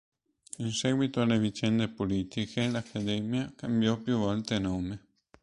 In seguito alle vicende politiche l'Accademia cambiò più volte nome.